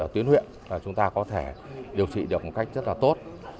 tuyến huyện là chúng ta có thể điều trị được một cách rất là tốt